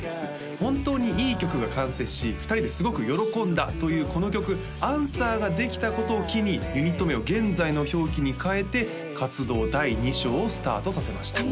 ホントにいい曲が完成し２人ですごく喜んだというこの曲「Ａｎｓｗｅｒ」ができたことを機にユニット名を現在の表記に変えて活動第２章をスタートさせました